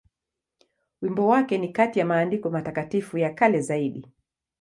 Wimbo wake ni kati ya maandiko matakatifu ya kale zaidi.